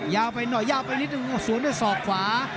ยาวไปหน่อยยาวไปนิดนึงสวนด้วยศอกขวา